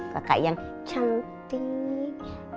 kakak yang cantik